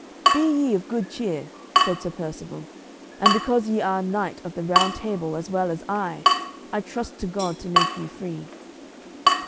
"Be ye of good cheer," said Sir Percivale, "and because ye are a knight of the Round Table as well as I, I trust to God to make you free."